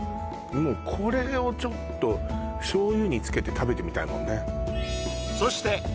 もうこれをちょっと醤油につけて食べてみたいもんね